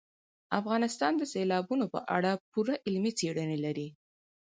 افغانستان د سیلابونو په اړه پوره علمي څېړنې لري.